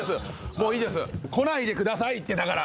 もういいです来ないでくださいってだから！